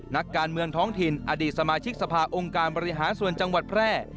นักการเมืองท้องถิ่นอดีตสมาชิกสภาองค์การบริหารส่วนจังหวัดแพร่